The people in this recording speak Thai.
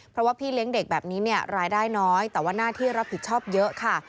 เพราะว่าพี่เลี้ยงเด็กแบบนี้เนี่ยรายได้น้อยแต่ว่าหน้าที่รับผิดชอบเยอะค่ะ